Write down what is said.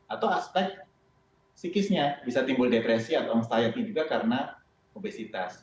atau aspek psikisnya bisa timbul depresi atau austrayaki juga karena obesitas